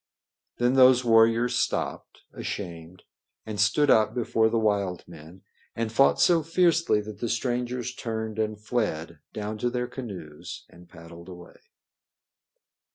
Then those warriors stopped, ashamed, and stood up before the wild men and fought so fiercely that the strangers turned and fled down to their canoes and paddled away.